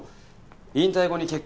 引退後に結婚。